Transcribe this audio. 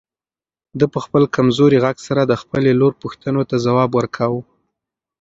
ده په خپل کمزوري غږ سره د خپلې لور پوښتنو ته ځواب ورکاوه.